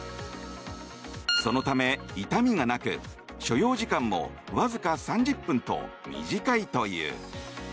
そのため痛みがなく所要時間もわずか３０分と短いという。